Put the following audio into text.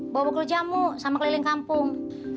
bawa bukul jamu sama keliling kampung